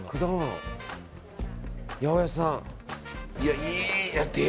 八百屋さん。